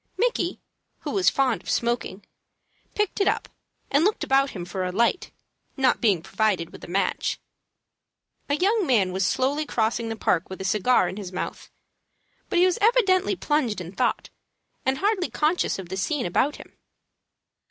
Micky, who was fond of smoking, picked it up, and looked about him for a light, not being provided with a match. A young man was slowly crossing the park with a cigar in his mouth. But he was evidently plunged in thought, and hardly conscious of the scene about him.